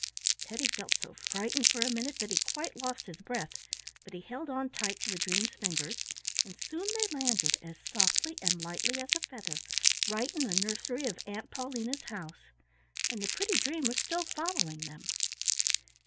Teddy felt so frightened for a minute that he quite lost his breath, but he held on tight to the dream's fingers, and soon they landed, as softly and lightly as a feather, right in the nursery of Aunt Paulina's house, and the pretty dream was still following them.